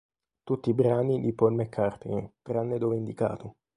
Tutti i brani di Paul McCartney, tranne dove indicato.